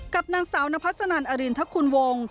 กับนางสาวนาพัศนรอริณทัพคุณวง